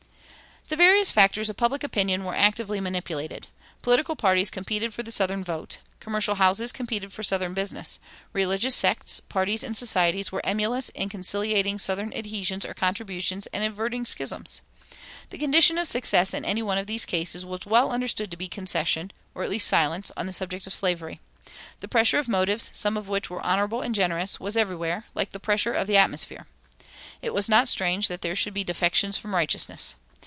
[282:2] These various factors of public opinion were actively manipulated. Political parties competed for the southern vote. Commercial houses competed for southern business. Religious sects, parties, and societies were emulous in conciliating southern adhesions or contributions and averting schisms. The condition of success in any of these cases was well understood to be concession, or at least silence, on the subject of slavery. The pressure of motives, some of which were honorable and generous, was everywhere, like the pressure of the atmosphere. It was not strange that there should be defections from righteousness.